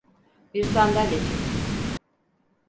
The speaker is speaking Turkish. Bir sandalye çek.